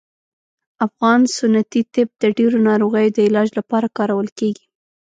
افغان سنتي طب د ډیرو ناروغیو د علاج لپاره کارول کیږي